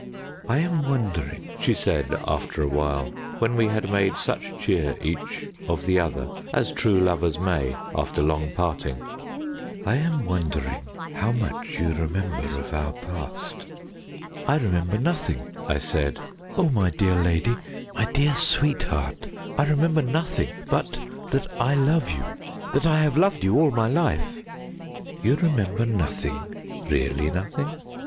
"I am wondering," she said after a while, when we had made such cheer each of the other as true lovers may after long parting "I am wondering how much you remember of our past." "I remember nothing," I said. "Oh, my dear lady, my dear sweetheart I remember nothing but that I love you that I have loved you all my life." "You remember nothing really nothing?"